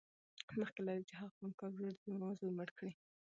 مخکې له دې چې هغه خونکار ورور دې زما زوى مړ کړي.